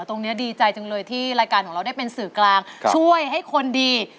ตรงนี้ดีใจจังเลยที่รายการของเราได้เป็นสื่อกลางช่วยให้คนดี